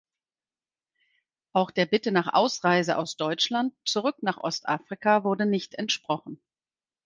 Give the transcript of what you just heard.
Auch der Bitte nach Ausreise aus Deutschland zurück nach Ostafrika wurde nicht entsprochen.